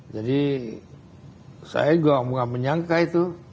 jadi saya gak menyangka itu